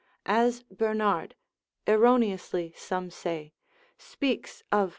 As Bernard (erroneously some say) speaks of P.